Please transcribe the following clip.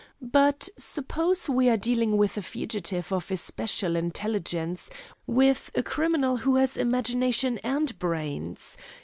But suppose we are dealing with a fugitive of especial intelligence, with a criminal who has imagination and brains?